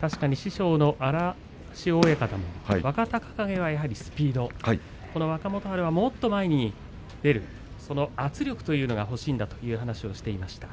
確かに、師匠の荒汐親方も若隆景はスピード若元春はもっと前に出る圧力が欲しいそういう話をしていました。